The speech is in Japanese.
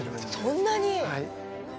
そんなに？